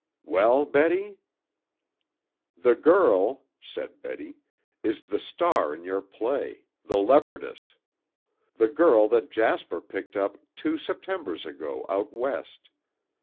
"Well, Betty?" "The girl," said Betty, "is the star in your play, 'The Leopardess,' the girl that Jasper picked up two Septembers ago out West.